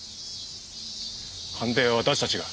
鑑定は私たちが。